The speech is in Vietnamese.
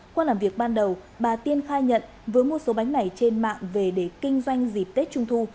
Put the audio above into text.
qua làm việc ban đầu bà tiên khai nhận với mua số bánh này trên mạng về để kinh doanh dịp tết trung thu